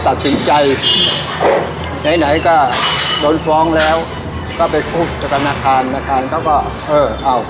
ตัดสินใจไหนไหนก็โดนฟ้องแล้วก็ไปพบกับธนาคารธนาคารเขาก็เออเอา